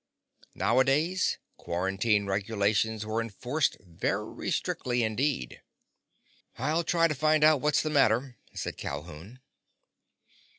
Nowadays quarantine regulations were enforced very strictly indeed. "I'll try to find out what's the matter," said Calhoun.